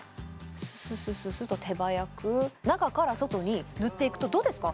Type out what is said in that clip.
スススススっと手早く中から外に塗っていくとどうですか？